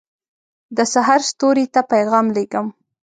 دسحرستوري ته پیغام لېږم